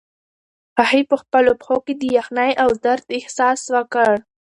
هغې په خپلو پښو کې د یخنۍ او درد احساس وکړ.